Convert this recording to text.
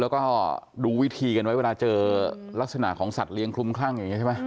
แล้วก็ดูวิธีกันไว้เวลาเจอลักษณะของสัตว์เลี้ยงคลุมข้าง